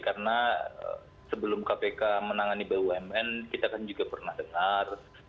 karena sebelum kpk menangani bumn kita kan juga pernah dengar